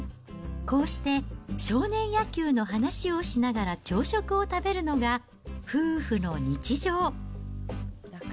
こうして少年野球の話をしながら、朝食を食べるのが、夫婦の日常。